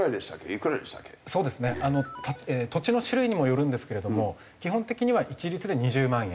土地の種類にもよるんですけれども基本的には一律で２０万円。